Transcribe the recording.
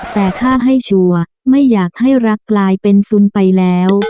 แต่ถ้าให้ชัวร์ไม่อยากให้รักกลายเป็นฟุนไปแล้ว